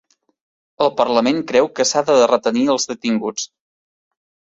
El parlament creu que s'ha de retenir els detinguts